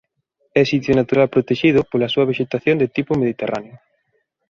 É sitio natural protexido pola súa vexetación de tipo mediterráneo.